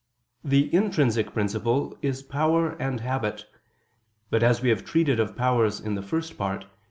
The intrinsic principle is power and habit; but as we have treated of powers in the First Part (Q.